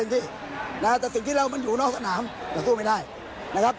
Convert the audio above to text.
แต่สิ่งที่เรามันอยู่นอกสนามเราสู้ไม่ได้นะครับ